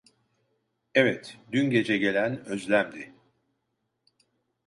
Evet, dün gece gelen Özlem'di.